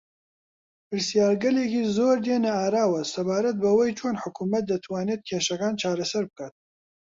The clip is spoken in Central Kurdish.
پرسیارگەلێکی زۆر دێنە ئاراوە سەبارەت بەوەی چۆن حکوومەت دەتوانێت کێشەکان چارەسەر بکات